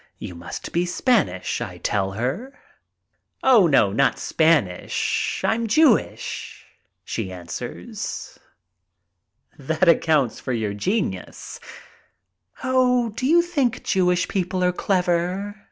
You must be Spanish," I tell her. "Oh no, not Spanish; I'm Jewish," she answers. "That accounts for your genius." "Oh, do you think Jewish people are clever?"